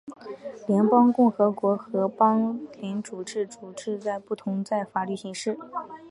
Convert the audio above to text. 联邦共和国和联邦君主制的主要政治不同在于法律形式。